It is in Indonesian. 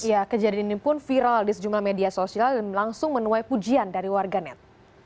ya kejadian ini pun viral di sejumlah media sosial dan langsung menuai pujian dari warganet